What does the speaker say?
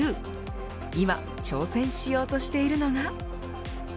今、挑戦しようとしているのが。